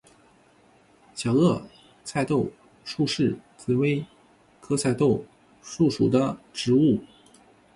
小萼菜豆树是紫葳科菜豆树属的植物。